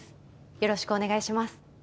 よろしくお願いします。